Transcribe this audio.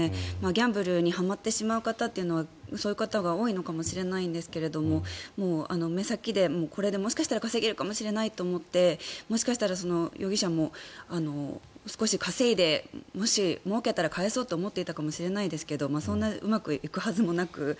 ギャンブルにはまってしまう方はそういう方が多いのかもしれないんですが目先でこれでもしかしたら稼げるかもしれないって思ってもしかしたら容疑者も少し稼いでもし、もうけたら返そうと思っていたかもしれないですがそんなうまくいくはずもなく。